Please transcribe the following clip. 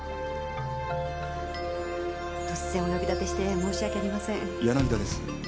突然お呼び立てして申し訳ありません。柳田です。